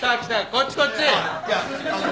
こっちこっち。